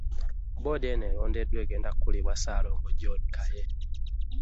Bboodi eno erondeddwa egenda kukulirwa Ssaalongo John Kaye